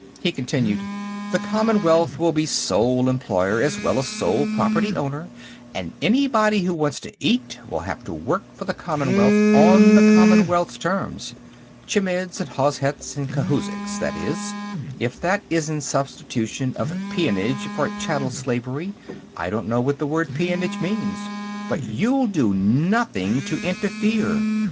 He continued: "The Commonwealth will be sole employer as well as sole property owner, and anybody who wants to eat will have to work for the Commonwealth on the Commonwealth's terms. Chmidd's and Hozhet's and Khouzhik's, that is. If that isn't substitution of peonage for chattel slavery, I don't know what the word peonage means. But you'll do nothing to interfere.